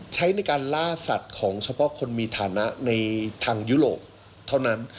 ใช้ในการล่าสัตว์ของเฉพาะคนมีฐานะในทางยุโรปเท่านั้น